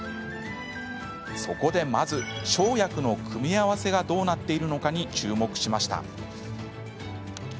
そこで、まず生薬の組み合わせがどうなっているのかに注目しました。